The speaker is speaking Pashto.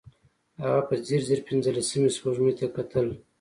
هغه په ځير ځير پينځلسمې سپوږمۍ ته کتل.